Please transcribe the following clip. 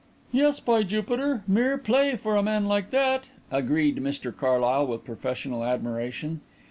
"Yes, by Jupiter; mere play for a man like that," agreed Mr Carlyle, with professional admiration.